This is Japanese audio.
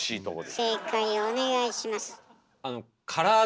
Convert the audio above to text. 正解お願いします。